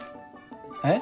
えっ？